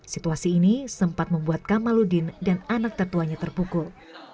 situasi ini sempat membuat kamaludin dan anak tertuanya terpukul